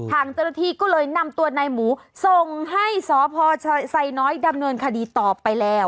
ทางเจ้าหน้าที่ก็เลยนำตัวนายหมูส่งให้สพไซน้อยดำเนินคดีต่อไปแล้ว